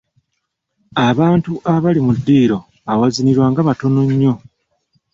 Abantu abaali mu ddiiro awazinirwa nga batono nnyo.